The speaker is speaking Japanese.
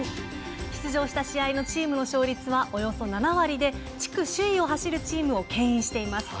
出場した試合のチームの勝率はおよそ７割で地区首位を走るチームをけん引しています。